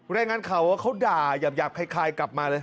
ได้งั้นเขาว่าเขาด่าหยับคลายกลับมาเลย